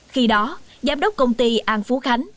khi đó giám đốc công ty an phú khánh